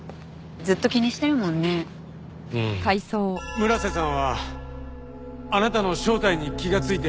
村瀬さんはあなたの正体に気がついて。